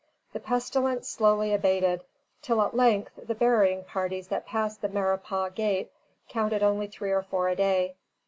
The pestilence slowly abated, till at length the burying parties that passed the Maurepas Gate counted only three or four a day.